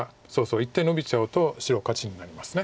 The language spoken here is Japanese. １手のびちゃうと白勝ちになります。